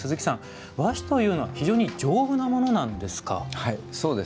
和紙というのは非常に丈夫なものなんですか？